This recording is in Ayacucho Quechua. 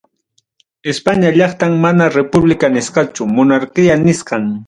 España llaqtam mana república nisqachu, monarquía nisqam.